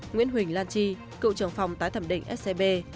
nguyễn huỳnh lan tri cậu trường phòng tái thẩm định scb